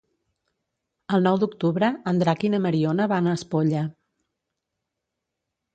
El nou d'octubre en Drac i na Mariona van a Espolla.